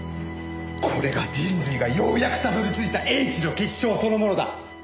これが人類がようやくたどり着いた英知の結晶そのものだ。